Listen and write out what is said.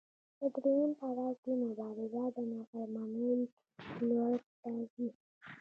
په درېیم پړاو کې مبارزه د نافرمانۍ لور ته ځي.